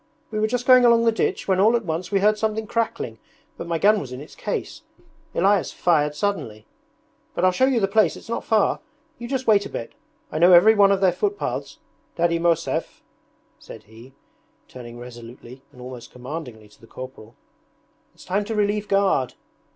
'We were just going along the ditch when all at once we heard something crackling, but my gun was in its case. Elias fired suddenly ... But I'll show you the place, it's not far. You just wait a bit. I know every one of their footpaths ... Daddy Mosev,' said he, turning resolutely and almost commandingly to the corporal, 'it's time to relieve guard!'